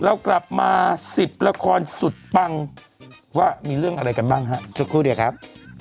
แล้วกลับมา๑๐ละครสุดปังว่ามีเรื่องอะไรกันบ้างครับ